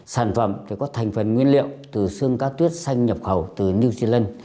sản phẩm có thành phần nguyên liệu từ xương cá tuyết xanh nhập khẩu từ new zealand